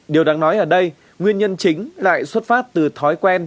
điều đáng nói ở đây nguyên nhân chính lại xuất phát từ thói quen